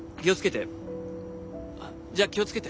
気を付けて。